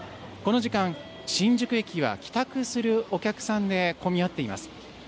この時間、新宿駅は帰宅するお客さんで混み合っています。